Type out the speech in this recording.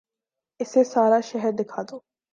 اسے سارا شہر دکھا دو